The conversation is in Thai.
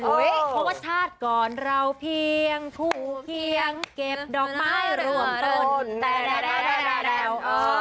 เพราะว่าชาติก่อนเราเพียงถูกเพียงเก็บดอกไม้ร่วมต้นแต่